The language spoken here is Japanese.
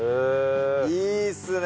いいっすね！